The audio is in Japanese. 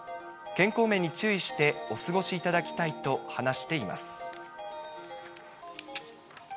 健康面に注意して、お過ごしいただきたいと話しています。